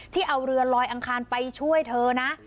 ที่เอาเรือลอยอังคารไปช่วยเธอนะ